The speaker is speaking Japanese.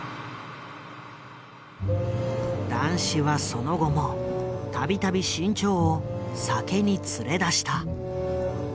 談志はその後も度々志ん朝を酒に連れ出した。